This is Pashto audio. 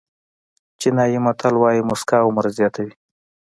چینایي متل وایي موسکا عمر زیاتوي.